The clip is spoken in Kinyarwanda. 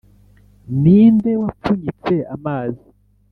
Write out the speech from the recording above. Ni nde wapfunyitse amazi